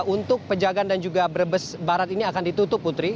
untuk pejagan dan juga brebes barat ini akan ditutup putri